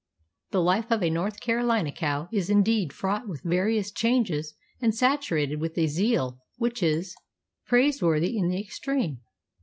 The life of a North Carolina cow is indeed fraught with various changes and saturated with a zeal which is praiseworthy in the extreme.